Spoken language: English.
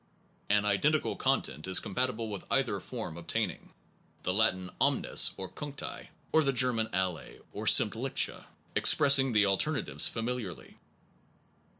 An identical content is compatible with either form obtaining, the Latin omnes, or cuncti, or the German alle or sdmmtliche expressing the alternatives famil iarly.